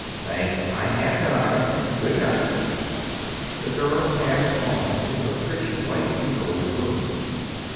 "Thanks; I have dined. Good night." The girl passed on to her pretty white and gold room.